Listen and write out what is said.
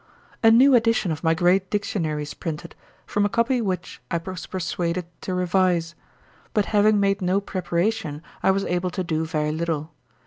'A new edition of my great Dictionary is printed, from a copy which I was persuaded to revise; but having made no preparation, I was able to do very little.